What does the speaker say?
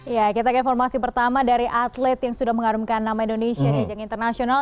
ya kita ke informasi pertama dari atlet yang sudah mengharumkan nama indonesia di ajang internasional